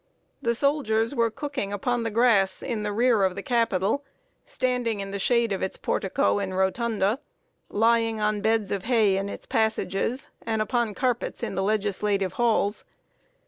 The soldiers were cooking upon the grass in the rear of the Capitol, standing in the shade of its portico and rotunda, lying on beds of hay in its passages, and upon carpets in the legislative halls.